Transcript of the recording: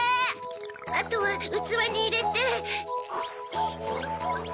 あとはうつわにいれて。